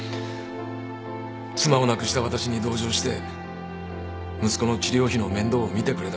妻を亡くした私に同情して息子の治療費の面倒を見てくれたからです